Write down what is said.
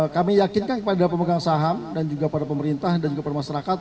kami yakinkan kepada pemegang saham dan juga pada pemerintah dan juga pada masyarakat